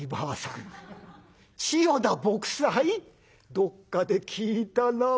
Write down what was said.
どっかで聞いた名前。